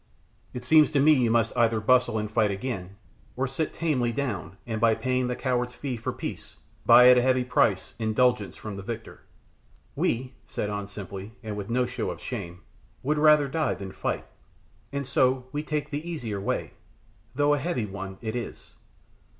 It seems to me you must either bustle and fight again, or sit tamely down, and by paying the coward's fee for peace, buy at heavy price, indulgence from the victor." "We," said An simply, and with no show of shame, "would rather die than fight, and so we take the easier way, though a heavy one it is.